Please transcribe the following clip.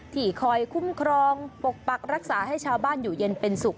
ที่คอยคุ้มครองปกปักรักษาให้ชาวบ้านอยู่เย็นเป็นสุข